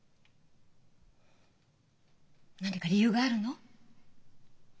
何か理由があるの？